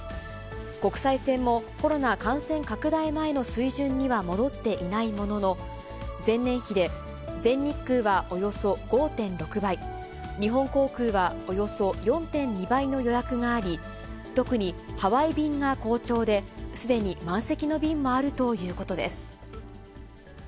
国際線もコロナ感染拡大前の水準には戻っていないものの、前年比で全日空はおよそ５．６倍、日本航空はおよそ４．２倍の予約があり、特にハワイ便が好調で、すでに満席の便もあるということです。